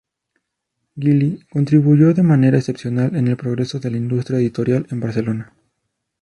Gili contribuyó de manera excepcional en el progreso de la industria editorial en Barcelona.